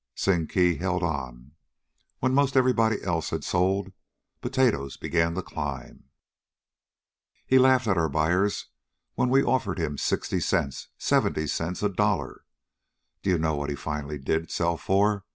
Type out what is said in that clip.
Sing Kee held on. When 'most everybody else had sold, potatoes began to climb. He laughed at our buyers when we offered him sixty cents, seventy cents, a dollar. Do you want to know what he finally did sell for?